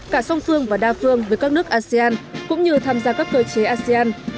cả song phương và đa phương với các nước asean cũng như tham gia các cơ chế asean